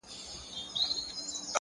لوړ لید واړه خنډونه کوچني کوي؛